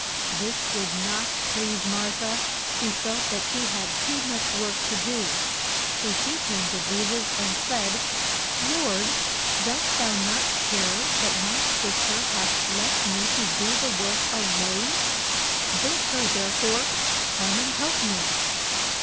This did not please Mar tha, who felt that she had too much work to do; so she came to Je sus and said, Lord, dost thou not care that my sis ter hath left me to do the work a lone? Bid her there fore come and help me.